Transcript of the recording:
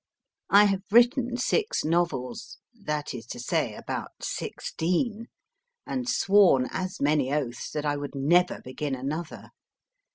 I have written six novels (that is to say, about sixteen), and sworn as many oaths that I would never begin another.